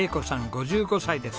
５５歳です。